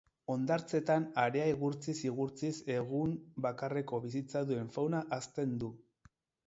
Hondartzetan harea igurtziz-igurtziz egun bakarreko bizitza duen fauna hazten du.